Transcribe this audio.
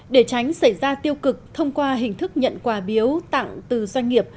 để tránh xảy ra tiêu cực thông qua hình thức nhận quà biếu tặng từ doanh nghiệp